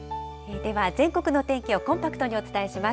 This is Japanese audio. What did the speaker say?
では、全国の天気をコンパクトにお伝えします。